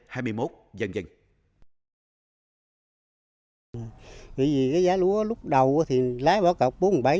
ht hai mươi một dần dần